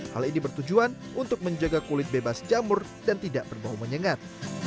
hal ini bertujuan untuk menjaga kulit bebas jamur dan tidak berbau menyengat